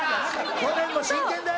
去年も真剣だよ！